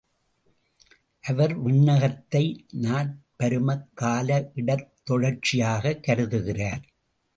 அவர் விண்ணகத்தை நாற் பருமக் கால இடத் தொடர்ச்சியாகக் கருதுகிறார்.